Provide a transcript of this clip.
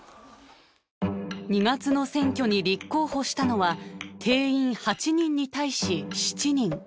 ２月の選挙に立候補したのは定員８人に対し７人。